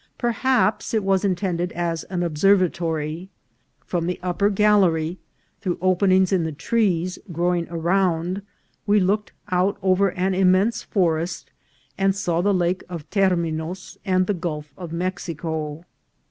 Perhaps it was intended as an observatory. From the upper gallery, through open ings in the trees growing around, we looked out over an immense forest, and saw the Lake of Terminos and the Gulf of Mexico.